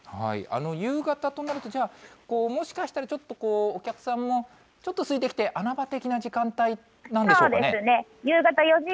夕方となると、じゃあ、もしかしたらちょっとお客さんもちょっとすいてきて、穴場的な時間帯なんでしょうかね。